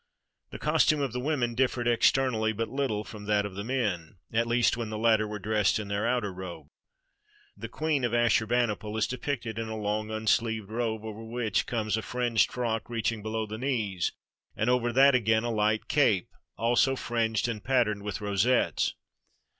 The costume of the women differed externally but little from that of the men — at least when the latter were dressed in their outer robe. The queen of Assur bani pal is depicted in a long unsleeved robe, over which comes a fringed frock reaching below the knees, and over that again a light cape, also fringed and patterned with rosettes.